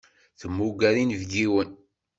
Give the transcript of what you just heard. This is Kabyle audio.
Temmuger inebgiwen.